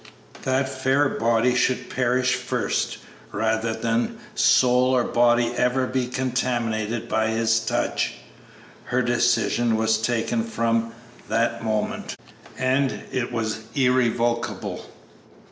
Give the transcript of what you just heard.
that fair body should perish first, rather than soul or body ever be contaminated by his touch! Her decision was taken from that moment, and it was irrevocable.